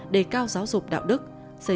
để cao giáo dục đạo đức xây dựng những chuẩn lý